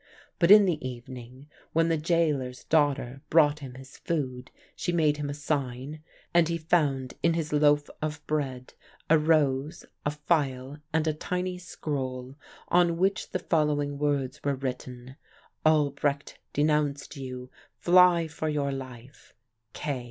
But in the evening, when the gaoler's daughter brought him his food, she made him a sign, and he found in his loaf of bread a rose, a file, and a tiny scroll, on which the following words were written; 'Albrecht denounced you. Fly for your life.